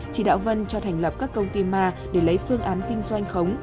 chỉ đạo vân cho thành lập các công ty ma để lấy phương án kinh doanh khống